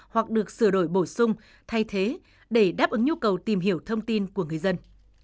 hoặc được sửa đổi bổ sung thay thế để đáp ứng nhu cầu tìm hiểu thông tin của người dân